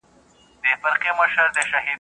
تر يو خروار زرو، يو مثقال عقل ښه دئ.